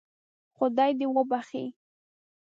خدای دې وبخښي.